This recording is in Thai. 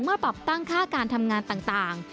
ปรับตั้งค่าการทำงานต่าง